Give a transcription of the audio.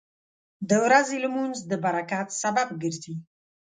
• د ورځې لمونځ د برکت سبب ګرځي.